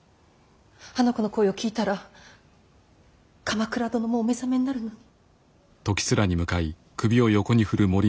あの子の声を聞いたら鎌倉殿もお目覚めになるのに。